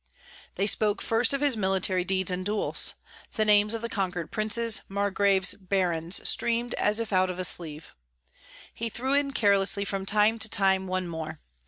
They spoke first of his military deeds and duels. The names of the conquered princes, margraves, barons, streamed as if out of a sleeve. He threw in carelessly from time to time one more.